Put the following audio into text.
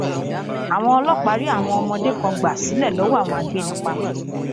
Àwọn ọlọ́pàá rí àwọn ọmọdé kangbà sílẹ̀ lọ́wọ́ àwọn agbénipa.